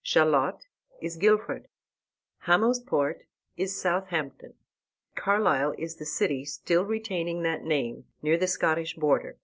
Shalott is Guilford. Hamo's Port is Southampton. Carlisle is the city still retaining that name, near the Scottish border.